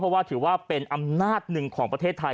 เพราะว่าถือว่าเป็นอำนาจหนึ่งของประเทศไทย